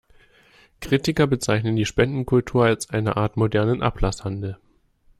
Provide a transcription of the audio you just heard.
Kritiker bezeichnen die Spendenkultur als eine Art modernen Ablasshandel.